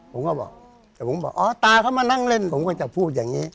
ผมก็บอกแต่ผมบอกอ๋อตาเขามานั่งเล่นผมก็จะพูดอย่างนี้